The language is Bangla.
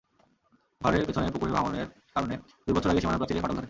ঘরের পেছনের পুকুরের ভাঙনের কারণে দুই বছর আগে সীমানাপ্রাচীরে ফাটল ধরে।